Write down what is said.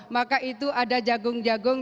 maka itu ada jagung jagung